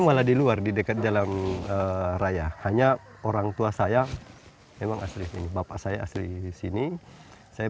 malah diluar di dekat jalan raya hanya orangtua saya memang asli ini bapak saya asli sini saya